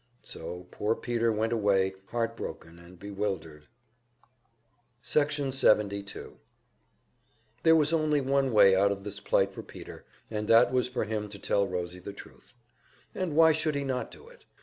So poor Peter went away, heartbroken and bewildered. Section 72 There was only one way out of this plight for Peter, and that was for him to tell Rosie the truth. And why should he not do it?